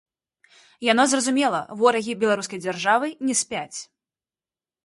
Яно зразумела, ворагі беларускай дзяржавы не спяць.